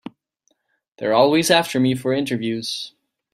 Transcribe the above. They're always after me for interviews.